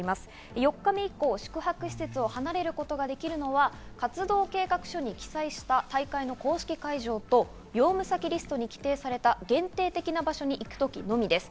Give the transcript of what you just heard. ４日目以降、宿泊施設を離れることができるのは、活動計画書に記載された大会公式会場と用務先リストに規定された限定的な場所に行く時のみです。